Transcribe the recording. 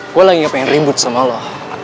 gue lagi inget pengen rimbut sama lo